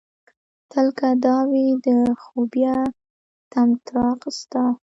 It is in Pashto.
تل که دا وي د خوبيه طمطراق ستا